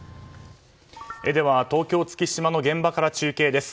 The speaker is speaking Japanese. では、東京・月島の現場から中継です。